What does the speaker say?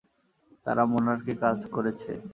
তারা মোনার্কে কাজ করেছে।